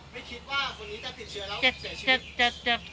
อ๋อไม่คิดว่าคนนี้จะผิดเชื้อแล้วเสียชีวิต